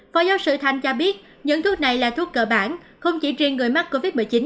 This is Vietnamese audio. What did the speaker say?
phó giáo sư thanh cho biết những thuốc này là thuốc cơ bản không chỉ riêng người mắc covid một mươi chín